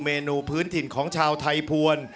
เมนูพื้นถิ่นของชาวไทยภวร